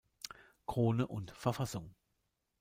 Krone und Verfassung.